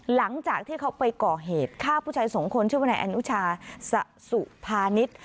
หลังจากที่เขาไปก่อเหตุฆ่าผู้ชายสองคนชื่อวนายอนุชาสะสุภานิษฐ์